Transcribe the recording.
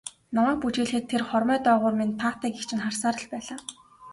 Намайг бүжиглэхэд тэр хормой доогуур минь таатай гэгч нь харсаар л байлаа.